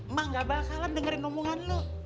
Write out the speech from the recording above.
mbak gak bakalan dengerin omongan lu